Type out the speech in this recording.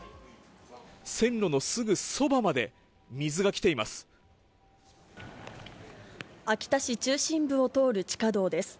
線路のすぐそばまで、水が来秋田市中心部を通る地下道です。